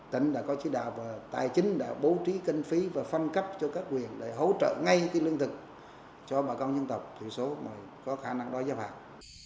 tỉnh đã có chí đạo và tài chính đã bố trí kinh phí và phân cấp cho các quyền để hỗ trợ ngay cái lương thực cho bà con dân tộc thiểu số mà có khả năng đói giá vàng